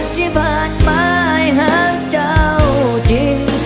ที่ผ่านมาหากเจ้าจริง